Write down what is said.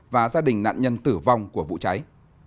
và gia đình nạn nhân tử vong của vụ cháy